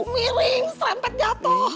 miring selampet jatuh